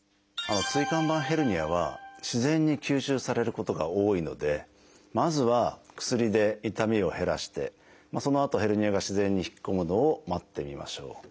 椎間板ヘルニアは自然に吸収されることが多いのでまずは薬で痛みを減らしてそのあとヘルニアが自然に引っ込むのを待ってみましょう。